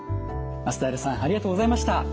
松平さんありがとうございました。